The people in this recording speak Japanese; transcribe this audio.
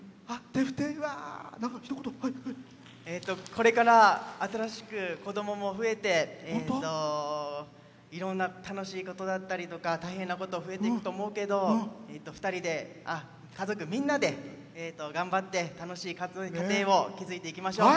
これから新しく子供も増えて、いろんな楽しいことだったりとか大変なこと増えていくと思うけど家族みんなで頑張って楽しい家庭を築いていきましょう。